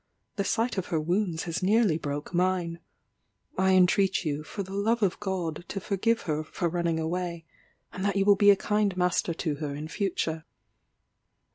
The sight of her wounds has nearly broke mine. I entreat you, for the love of God, to forgive her for running away, and that you will be a kind master to her in future."